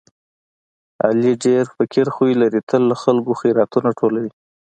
علي ډېر فقیر خوی لري، تل له خلکو خیراتونه ټولوي.